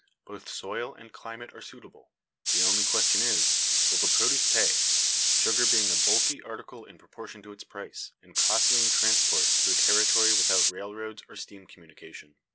Both soil and climate are suitable. The only question is, will the produce pay, sugar being a bulky article in proportion to its price, and costly in transport through a territory without railroads, or steam communication.